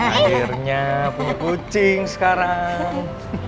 akhirnya punya kucing sekarang